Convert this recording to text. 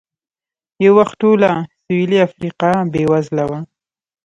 یو وخت ټوله سوېلي افریقا بېوزله وه.